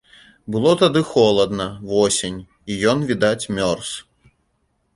Было тады холадна, восень, і ён, відаць, мёрз.